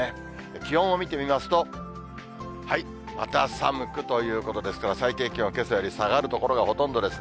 気温を見てみますと、また寒くということですから、最低気温、けさより下がる所がほとんどですね。